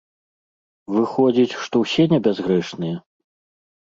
Выходзіць, што ўсе небязгрэшныя?